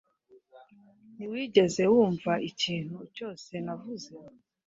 Ntiwigeze wumva ikintu cyose navuze?